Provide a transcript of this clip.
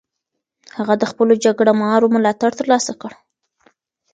هغه د خپلو جګړه مارو ملاتړ ترلاسه کړ.